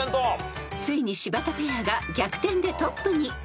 ［ついに柴田ペアが逆転でトップに］